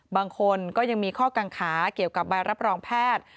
บางคนก็ยังมีข้อกังขาเกี่ยวกับใบรับรองแพทย์